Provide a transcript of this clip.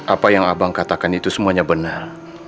apa yang abang katakan itu semuanya benar